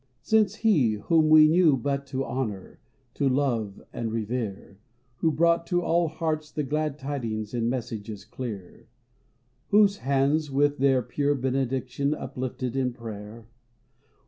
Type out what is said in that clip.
Since he, whom we knew but to honor. To love and revere. Who brought to all hearts the Glad Tidings In messages clear, — Whose hands, with their pure benediction, Uplifted in prayer.